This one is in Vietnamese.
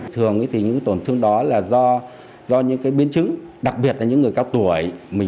thường thì những tổn thương đó là do những biến chứng đặc biệt là những người cao tuổi